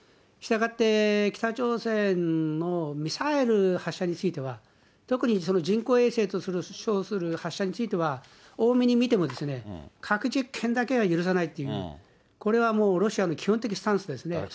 したがって北朝鮮のミサイル発射については、特に人工衛星と称する発射については、大目に見ても核実験だけは許さないという、これはもう、ロシアの基本的スタンスですね。